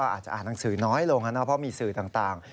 อาจจะหากนางสือน้อยลงแล้วเพราะมีสื่อต่าง